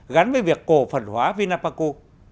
gắn với việc cổ phần hóa vinapaco